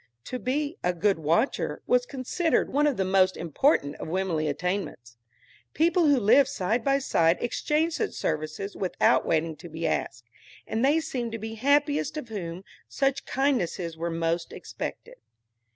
To be "a good watcher" was considered one of the most important of womanly attainments. People who lived side by side exchanged such services without waiting to be asked, and they seemed to be happiest of whom such kindnesses were most expected.